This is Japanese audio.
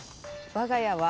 わが家は。